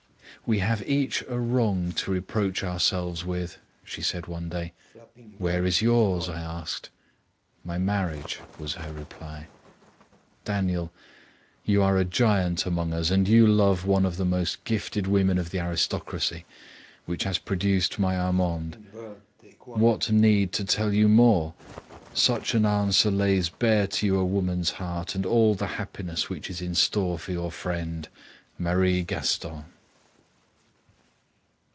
"We have each a wrong to reproach ourselves with," she said one day. "Where is yours?" I asked. "My marriage," was her reply. Daniel, you are a giant among us and you love one of the most gifted women of the aristocracy, which has produced my Armande; what need to tell you more? Such an answer lays bare to you a woman's heart and all the happiness which is in store for your friend, MARIE GASTON.